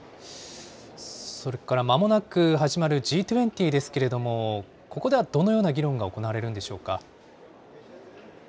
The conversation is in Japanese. それからまもなく始まるＧ２０ですけれども、ここではどのような議論が行われるんでしょうか？